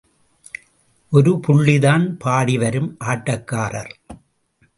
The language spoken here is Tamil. ஒரு புள்ளிதான் பாடி வரும் ஆட்டக்காரர்.